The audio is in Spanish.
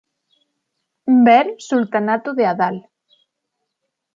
Ver Sultanato de Adal.